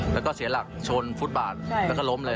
แล้วก็เสียหลักชนฟุตบาทแล้วก็ล้มเลย